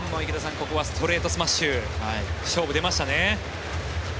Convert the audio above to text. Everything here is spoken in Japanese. ここはストレートスマッシュ勝負に出ましたね。